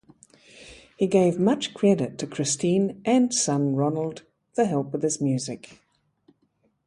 He gave much credit to Christine and son Ronald for help with his music.